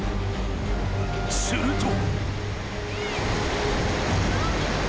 ［すると］